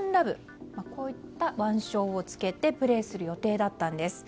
こういった腕章を着けてプレーする予定だったんです。